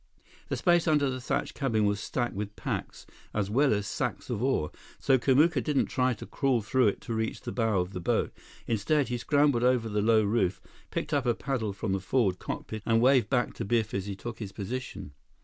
The space under the thatched cabin was stacked with packs as well as sacks of ore, so Kamuka didn't try to crawl through it to reach the bow of the boat. Instead, he scrambled over the low roof, picked up a paddle from the forward cockpit, and waved back to Biff as he took his position.